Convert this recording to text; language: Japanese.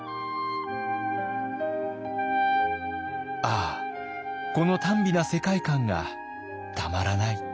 「ああこのたん美な世界観がたまらない。